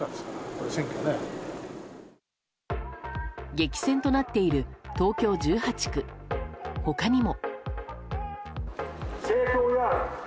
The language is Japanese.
激戦となっている東京１８区他にも。